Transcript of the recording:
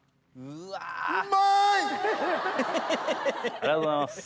ありがとうございます。